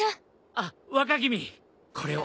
あっ若君これを。